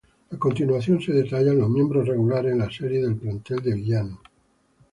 A continuación se detallan los miembros regulares en la serie del plantel de villanos.